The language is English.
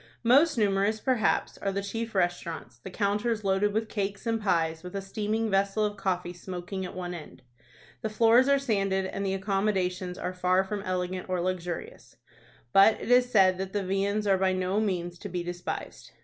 Most numerous, perhaps, are the chief restaurants, the counters loaded with cakes and pies, with a steaming vessel of coffee smoking at one end. The floors are sanded, and the accommodations are far from elegant or luxurious; but it is said that the viands are by no means to be despised.